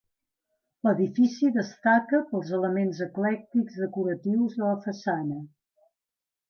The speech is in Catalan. L'edifici destaca pels elements eclèctics decoratius de la façana.